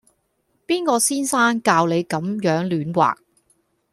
邊個先生教你咁樣亂畫